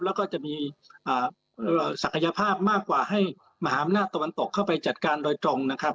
แล้วก็จะมีศักยภาพมากกว่าให้มหาอำนาจตะวันตกเข้าไปจัดการโดยตรงนะครับ